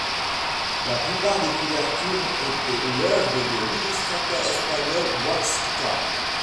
La plupart des couvertures étaient l'œuvre de l'illustrateur espagnol Boixcar.